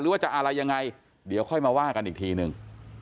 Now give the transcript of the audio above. หรือว่าจะอะไรยังไงเดี๋ยวค่อยมาว่ากันอีกทีหนึ่ง